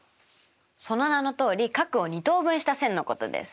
その名のとおり角を二等分した線のことです。